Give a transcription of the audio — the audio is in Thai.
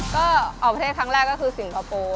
ก็ออกประเทศครั้งแรกก็คือสิงคโปร์